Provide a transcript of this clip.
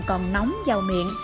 còn nóng vào miệng